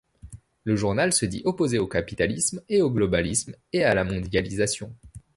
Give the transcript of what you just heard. Le journal se dit opposé au capitalisme et au globalisme et à la mondialisation.